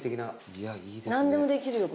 何でもできるよ